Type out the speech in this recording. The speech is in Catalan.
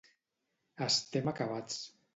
Estem acabats.